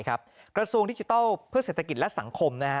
กระทรวงดิจิทัลเพื่อเศรษฐกิจและสังคม